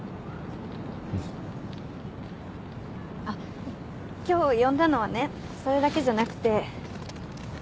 あっ今日呼んだのはねそれだけじゃなくて。